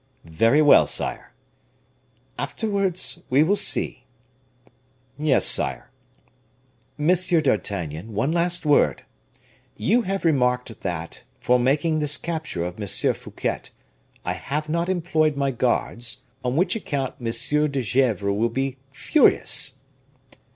"Very well, sire." "Afterwards we will see." "Yes, sire." "Monsieur d'Artagnan, one last word: you have remarked that, for making this capture of M. Fouquet, I have not employed my guards, on which account M. de Gesvres will be furious."